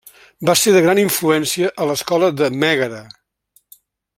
Va ser de gran influència a l'escola de Mègara.